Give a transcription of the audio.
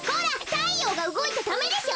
たいようがうごいちゃダメでしょ！